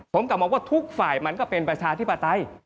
ผมกลับมองว่าทุกฝ่ายมันก็เป็นประชาธิปไตย